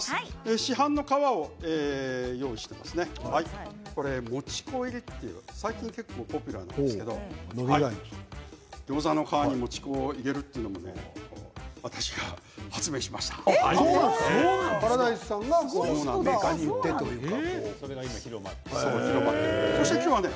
市販の皮を用意してこれは、もち粉入りという最近、結構ポピュラーなんですけれどギョーザの皮にもち粉を入れるというのもねパラダイスさんがメーカーに言ってというか広まって？